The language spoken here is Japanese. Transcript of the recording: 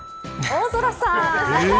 大空さん。